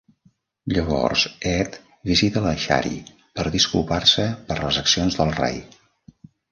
Llavors Ed visita la Shari per disculpar-se per les accions del Ray.